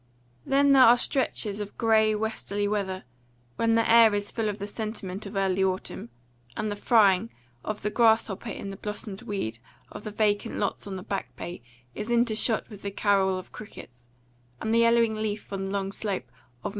Then there are stretches of grey westerly weather, when the air is full of the sentiment of early autumn, and the frying, of the grasshopper in the blossomed weed of the vacant lots on the Back Bay is intershot with the carol of crickets; and the yellowing leaf on the long slope of Mt.